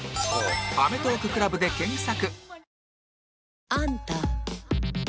「アメトーーク ＣＬＵＢ」で検索